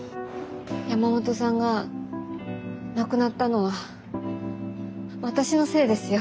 山本さんが亡くなったのは私のせいですよ。